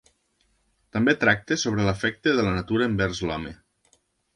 També tracta sobre l'afecte de la natura envers l'home.